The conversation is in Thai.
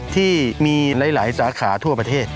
ที่มีหลายสาขาทั่วประเทศ